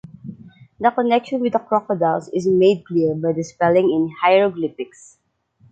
The connection with the crocodiles is made clear by the spelling in hieroglyphics.